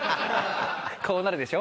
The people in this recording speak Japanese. こうなるでしょ？